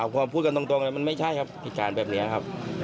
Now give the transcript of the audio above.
ความพูดกันตรงมันไม่ใช่ครับพิการแบบนี้ครับ